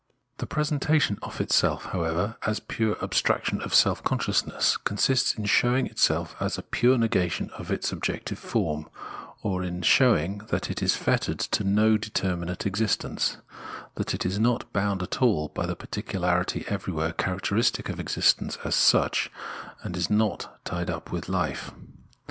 The presentjjition of itself, however, as pure abstraction of self conscio|usness consists in showing itself as a pure negation of itsi objective form, or in showing that it is fettered to no\ determinate existence, that it is not bound at all hj\ the particularity everywhere character istic of existence as such, and is not tied up with life.